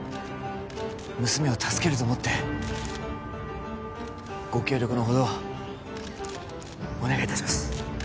娘を助けると思ってご協力のほどお願いいたします